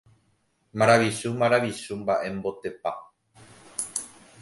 Maravichu, maravichu, mba'émotepa.